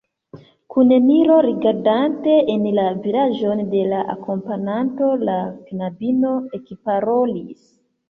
Kun miro rigardante en la vizaĝon de la akompananto, la knabino ekparolis.